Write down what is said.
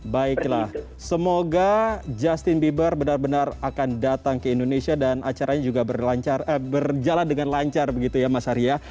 baiklah semoga justin bieber benar benar akan datang ke indonesia dan acaranya juga berjalan dengan lancar begitu ya mas ari ya